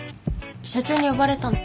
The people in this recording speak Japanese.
社長に呼ばれたの。